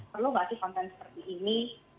perlu nggak sih konten seperti ini